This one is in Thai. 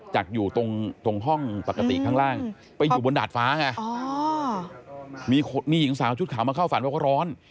จากอยู่ตรงห้องปกติข้างล่างไปอยู่บนดาดฟ้าไงมีหญิงสาวชุดขาวมาเข้าฝันว่าเขาร้อน